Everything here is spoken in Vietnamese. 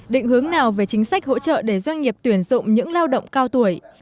định hướng nào về chính sách hỗ trợ để doanh nghiệp tuyển dụng những lao động cao tuổi